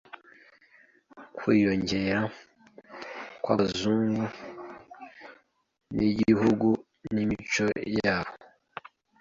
kwiyongera kwabazungu mugihugu nimico yabo